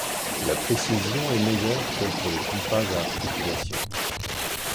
La précision est meilleure que pour les compas à articulation.